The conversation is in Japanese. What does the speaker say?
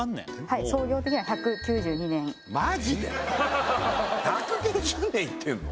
はい創業的には１９２年マジで１９０年いってんの？